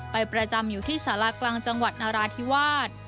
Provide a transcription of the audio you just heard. ประจำอยู่ที่สารากลางจังหวัดนราธิวาส